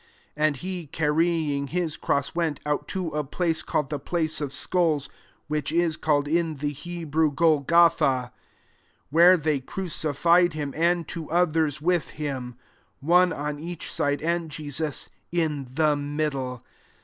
] 17 And he, carrying his cross, went out to a place called The fitace of skulls ; which is called in the Hebrew, Golgotha; 18 where they crucified him, and two others with him, one on each ride, and Jesus in the middle.